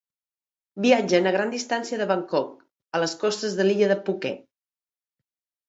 Viatgen a gran distància de Bangkok, a les costes de l'illa de Phuket.